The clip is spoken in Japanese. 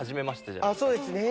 そうですね。